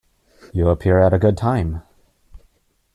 You appear at a good time.